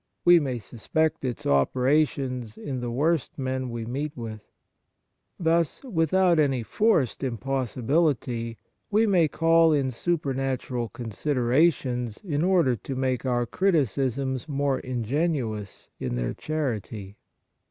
We may suspect its operations in the worst men we meet with. Thus, without any forced impossi bility, we may call in supernatural con siderations in order to make our criticisms more ingenious in their charity.